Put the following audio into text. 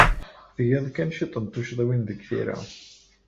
Tgiḍ kan cwiṭ n tuccḍiwin deg tira.